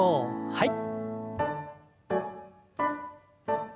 はい。